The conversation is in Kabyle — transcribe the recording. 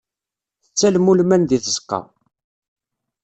Tettalem ulman deg tzeqqa.